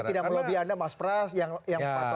jadi tidak melobby anda mas pras yang patah